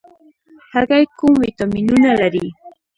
هګۍ کوم ویټامینونه لري؟